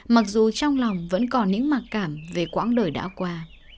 mặc dù trong lòng vẫn còn những mặc cảm về quãng đời đã qua